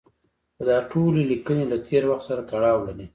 خو دا ټولې لیکنې له تېر وخت سره تړاو لري.